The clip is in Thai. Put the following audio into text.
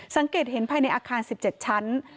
สังเกตเห็นภายในอาคาร๑๗ชั้น